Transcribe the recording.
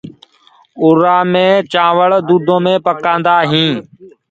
اُرآ مي چآوݪ دُوٚدو مي پڪآندآ هينٚ۔